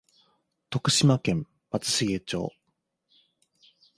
徳島県松茂町